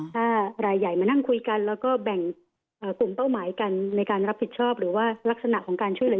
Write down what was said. ถ้ารายใหญ่มานั่งคุยกันแล้วก็แบ่งกลุ่มเป้าหมายกันในการรับผิดชอบหรือว่าลักษณะของการช่วยเหลือ